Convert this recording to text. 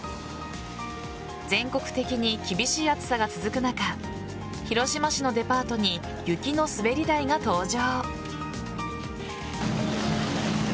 全国的に厳しい暑さが続く中広島市のデパートに雪の滑り台が登場。